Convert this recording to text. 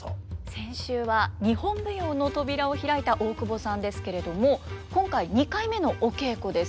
先週は日本舞踊の扉を開いた大久保さんですけれども今回２回目のお稽古です。